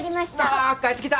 わ帰ってきた！